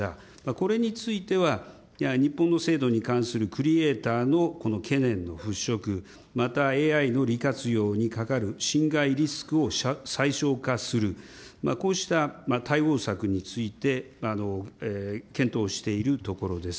これについては、日本の制度に関するクリエイターのこの懸念の払拭、またＡＩの利活用にかかる侵害リスクを最小化する、こうした対応策について、検討をしているところです。